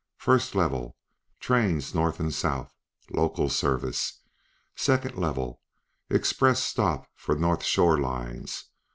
"First Level; Trains North and South; Local Service. Second Level; Express Stop for North shore Lines.